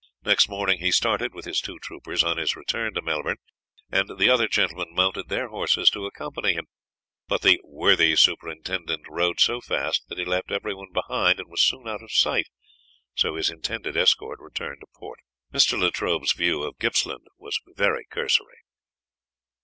Next morning he started with his two troopers on his return to Melbourne, and the other gentlemen mounted their horses to accompany him; but the "worthy superintendent" rode so fast that he left everyone behind and was soon out of sight, so his intended escort returned to port. Mr. Latrobe's view of Gippsland was very cursory.